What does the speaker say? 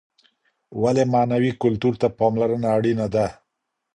ولي معنوي کلتور ته پاملرنه اړينه ده؟